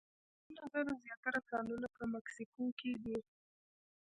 د سپینو زرو زیاتره کانونه په مکسیکو کې دي.